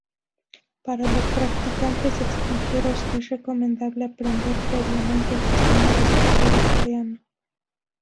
Para los practicantes extranjeros es recomendable aprender previamente el sistema de escritura coreano.